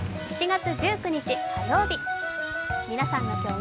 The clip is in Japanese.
７月１９日火曜日。